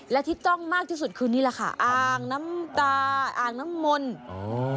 และที่จ้องมากที่สุดคือนี่แหละค่ะอ่างน้ำตาอ่างน้ำมนต์อ๋อ